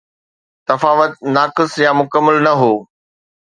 تفاوت ناقص يا مڪمل نه هو